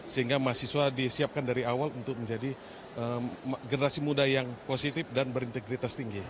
sehingga mahasiswa disiapkan dari awal untuk menjadi generasi muda yang positif dan berintegritas tinggi